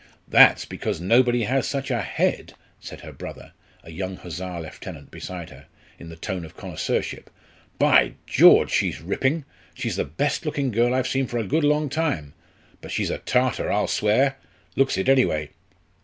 "That's because nobody has such a head," said her brother, a young Hussar lieutenant, beside her, in the tone of connoisseurship. "By George, she's ripping she's the best looking girl I've seen for a good long time. But she's a Tartar, I'll swear looks it, anyway."